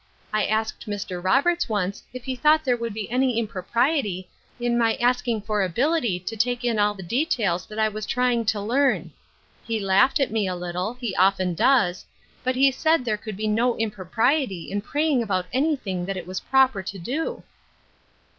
I asked Mr. Roberts once if he thought there would be any impropriety in my asking for ability to take in all the details that I was trying to learn. He laughed at me a little — he often does — but he said there could be no impropriety in praying about anything that it was proper to do."